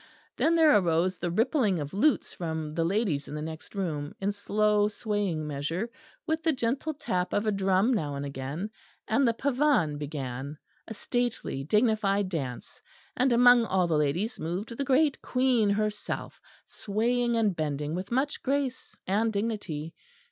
Then there arose the rippling of lutes from the ladies in the next room, in slow swaying measure, with the gentle tap of a drum now and again; and the pavane began a stately dignified dance; and among all the ladies moved the great Queen herself, swaying and bending with much grace and dignity.